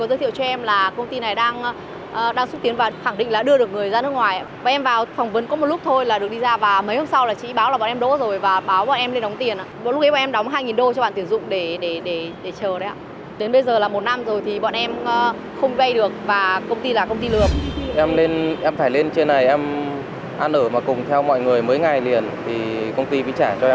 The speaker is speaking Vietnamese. thất nghiệp vẫn hoàn thất nghiệp